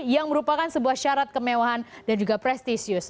yang merupakan sebuah syarat kemewahan dan juga prestisius